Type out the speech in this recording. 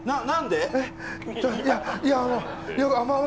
何で。